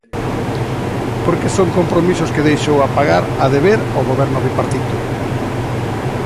Porque son compromisos que deixou a pagar, a deber, o Goberno bipartito.